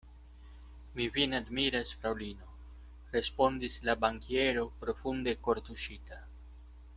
Mi vin admiras, fraŭlino, respondis la bankiero profunde kortuŝita.